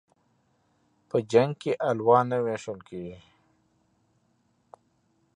په جنگ کې الوا نه ويشل کېږي.